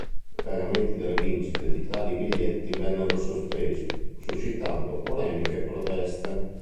I pagamenti delle vincite di tali biglietti vennero sospesi, suscitando polemiche e proteste.